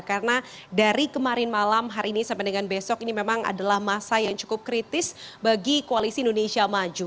karena dari kemarin malam hari ini sampai dengan besok ini memang adalah masa yang cukup kritis bagi koalisi indonesia maju